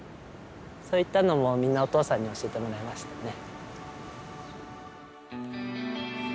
そういったのもみんなお父さんに教えてもらいましたね。